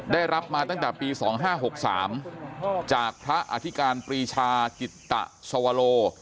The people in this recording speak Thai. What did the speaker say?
ได้รับมาตั้งแต่ปี๒๕๖๓จากพระอธิการปรีชาจิตตะสวโล